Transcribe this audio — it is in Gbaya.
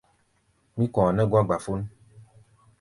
Mí kɔ̧ɔ̧ nɛ́ gɔ̧́ gbafón.